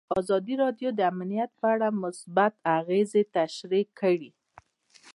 ازادي راډیو د امنیت په اړه مثبت اغېزې تشریح کړي.